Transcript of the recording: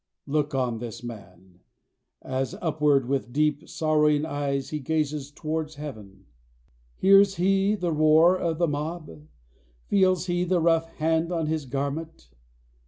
Look on this man, as upward, with deep, sorrowing eyes, he gazes towards heaven. Hears he the roar of the mob? Feels he the rough hand on his garment?